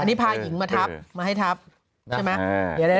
อันนี้พาหญิงมาทับมาให้ทับใช่ไหม